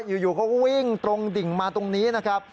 อยู่เขาก็วิ่งตรงดิ่งมาตรงนี้นะครับ